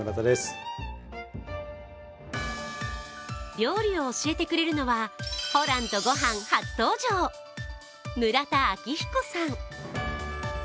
料理を教えてくれるのは「ホランとごはん」初登場、村田明彦さん。